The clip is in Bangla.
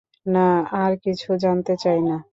না, আর কিছু জানতে চাই না।